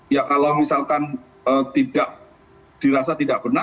ya kalau misalkan tidak dirasa tidak benar